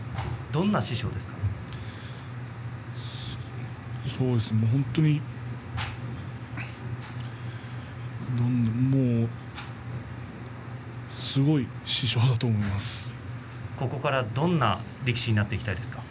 どんな心境ですか？